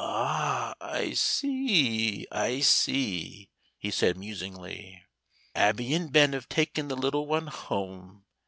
"Ah, I see, I see," he said musingly, "Abby and Ben have taken the little one home.